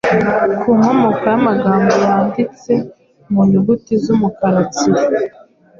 ku nkomoko y’amagambo yanditse mu nyuguti z’umukara tsiri.